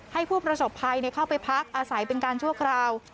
ให้ผู้ประสบภัยเข้าไปพักอาศัยเป็นการชั่วคราว